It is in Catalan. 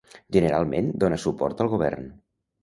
Generalment dóna suport al govern.